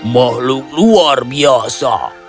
makhluk luar biasa